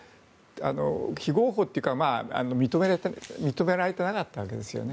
非合法というか認められてなかったわけですね。